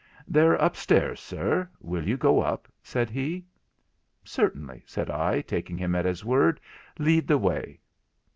'They're upstairs, sir, will you go up?' said he. 'Certainly,' said I, taking him at his word. 'Lead the way.'